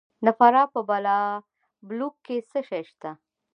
د فراه په بالابلوک کې څه شی شته؟